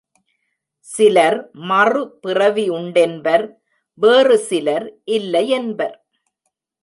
சிலர் மறு பிறவி உண்டென்பர் வேறு சிலர் இல்லையென்பர்.